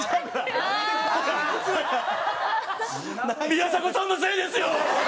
宮迫さんのせいですよ！